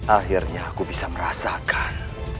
akhirnya aku bisa merasakan